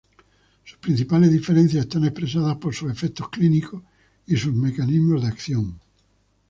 Sus principales diferencias están expresadas por sus efectos clínicos y sus mecanismos de acción.